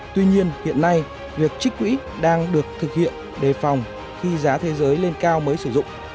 tuy nhiên hiện nay việc trích quỹ đang được thực hiện đề phòng khi giá thế giới lên cao mới sử dụng